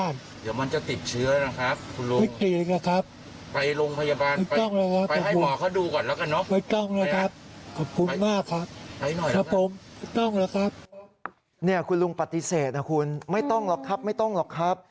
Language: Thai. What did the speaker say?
นี่คุณลุงปฏิเสธนะคุณไม่ต้องหรอกครับไม่ต้องหรอกครับ